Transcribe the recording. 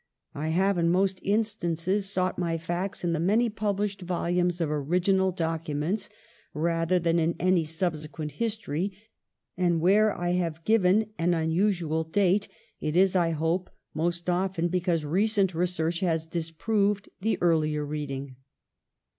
I have, in most in stances, sought my facts in the many published volumes of original documents rather than in any subsequent history ; and where I have given an unusual date, it is, I hope, most often be cause recent research has disproved the earlier reading.